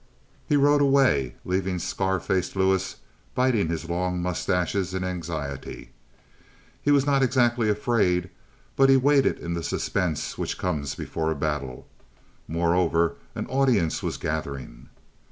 He rode away, leaving Scar faced Lewis biting his long mustaches in anxiety. He was not exactly afraid, but he waited in the suspense which comes before a battle. Moreover, an audience was gathering.